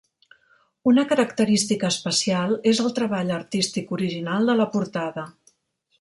Una característica especial és el treball artístic original de la portada.